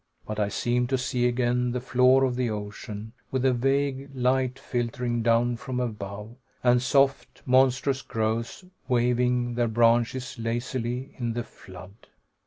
But I seemed to see again the floor of the ocean, with the vague light filtering down from above, and soft, monstrous growths waving their branches lazily in the flood.